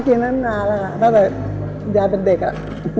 ก็กินตั้งนานแล้วตั้งแต่ยายเป็นเด็กอะ